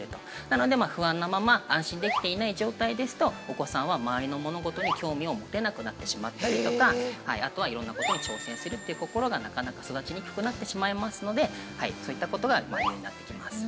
なので不安なまま安心できていない状態ですとお子さんは周りの物事に興味を持てなくなってしまったりとかあとはいろんなことに挑戦するって心がなかなか育ちにくくなってしまいますのでそういったことが理由になって来ます。